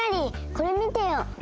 これ見てよ。